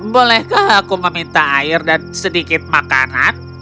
bolehkah aku meminta air dan sedikit makanan